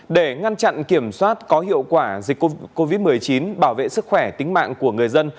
để ngăn chặn kiểm soát có hiệu quả dịch covid một mươi chín bảo vệ sức khỏe tính mạng của người dân